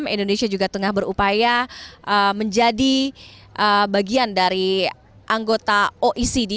indonesia juga tengah berupaya menjadi bagian dari anggota oecd